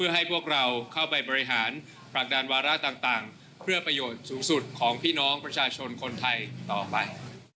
ให้พวกเราเข้าไปบริหารผลักดันวาระต่างเพื่อประโยชน์สูงสุดของพี่น้องประชาชนคนไทยต่อไป